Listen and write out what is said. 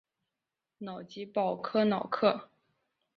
瑙吉鲍科瑙克。